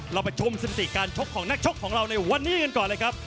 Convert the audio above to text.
เราไปชมสถิติการชกของนักชกของเราในวันนี้กันก่อนเลยครับ